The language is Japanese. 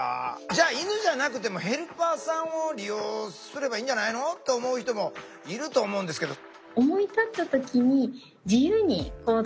じゃあ犬じゃなくてもヘルパーさんを利用すればいいんじゃないの？と思う人もいると思うんですけど。